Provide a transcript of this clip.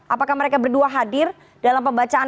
apakah mereka berdua hadir dalam pembacaan